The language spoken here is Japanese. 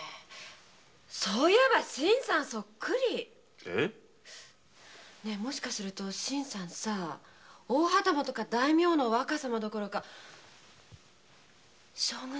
そういえば新さんそっくり。え？もしかすると新さんは大旗本か大名の若様どころか将軍様なんじゃないの？